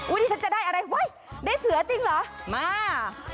อุ้ยดิฉันจะได้อะไรเว้ยได้เสือจริงเหรอมา